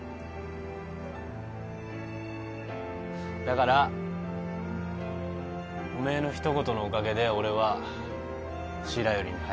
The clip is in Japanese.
だからおめえの一言のおかげで俺は白百合に入れた。